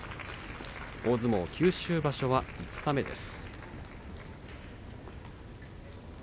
大相撲九州場所は五日目です。